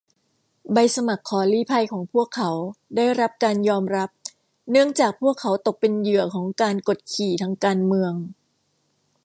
ใบสมัครขอลี้ภัยของพวกเขาได้รับการยอมรับเนื่องจากพวกเขาตกเป็นเหยื่อของการกดขี่ทางการเมือง